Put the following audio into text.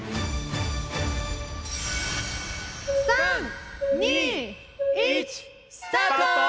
３・２・１スタート！